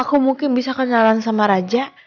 aku mungkin bisa kenalan sama raja